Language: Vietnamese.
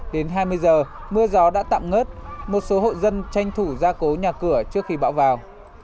đến hai mươi giờ mưa gió đã tạm ngớt một số hộ dân tranh thủ ra cố nhà cửa trước khi bão vào